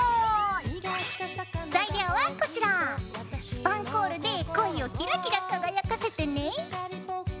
スパンコールでコイをキラキラ輝かせてね。